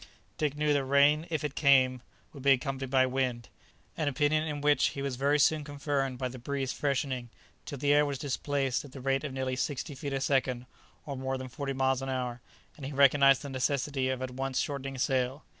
Dick knew that rain, if it came, would be accompanied by wind; an opinion in which he was very soon confirmed by the breeze freshening, till the air was displaced at the rate of nearly sixty feet a second, or more than forty miles an hour; and he recognized the necessity of at once shortening sail.